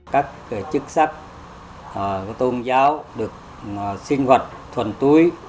các chức sách tôn giáo được sinh hoạt thuần túi